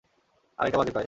আড়াইটা বাজে প্রায়।